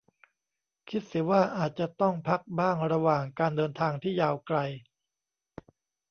คิดเสียว่าอาจจะต้องพักบ้างระหว่างการเดินทางที่ยาวไกล